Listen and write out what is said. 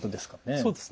そうですね。